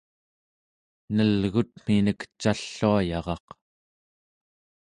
nelgutminek calluayaraq